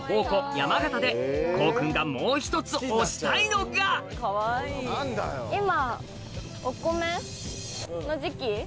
山形で紘君がもう一つ推したいのが今。